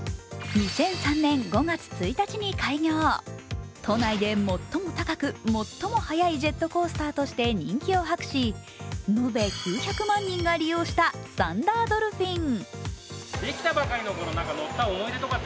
２００３年５月１日に開業、都内で最も高く、最も早いジェットコースターとして人気を博し延べ９００万人が利用したサンダードルフィン。